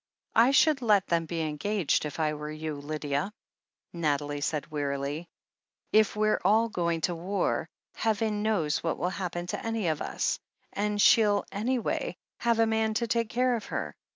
I should let them be engaged if I were you, Lydia," Nathalie said wearily. "If we're all going to war. Heaven knows what will happen to any of us, and she'll, anyway, have a man to take care of her.